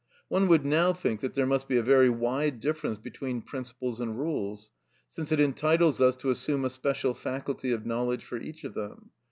One would now think that there must be a very wide difference between principles and rules, since it entitles us to assume a special faculty of knowledge for each of them.